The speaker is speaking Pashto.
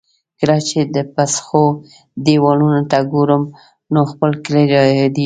کله چې د پسخو دېوالونو ته ګورم، نو خپل کلی را یادېږي.